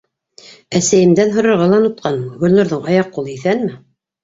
Әсәйемдән һорарға ла онотҡанмын: Гөлнурҙың аяҡ-ҡулы иҫәнме?